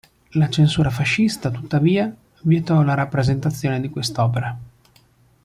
La censura fascista, tuttavia, vietò la rappresentazione di quest'opera.